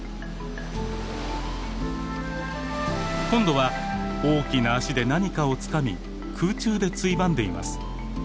今度は大きな足で何かをつかみ空中でついばんでいます。